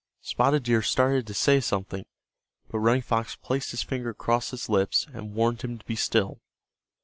Spotted Deer started to say something, but Running Fox placed his finger across his lips and warned him to be still.